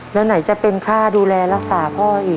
แล้วไหนจะเป็นค่าดูแลรักษาพ่ออีก